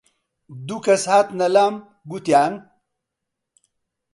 دوو کەس هاتنە لام گوتیان: